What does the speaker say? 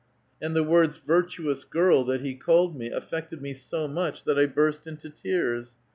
And the words, 'virtuous girl,' that he called me, affected me so much that I burst into tears.